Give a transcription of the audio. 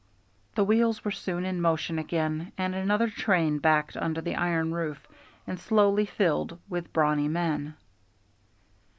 The wheels were soon in motion again, and another train backed under the iron roof and slowly filled with brawny men.